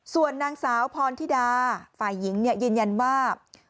ส่วนนางสาวพรธิดาฝ่ายหญิงยืนยันว่า